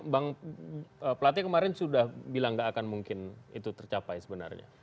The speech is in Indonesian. bang pelatih kemarin sudah bilang gak akan mungkin itu tercapai sebenarnya